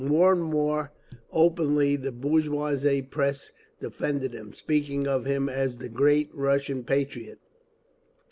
More and more openly the bourgeois press defended him, speaking of him as "the great Russian patriot."